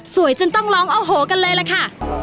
จนต้องร้องโอ้โหกันเลยล่ะค่ะ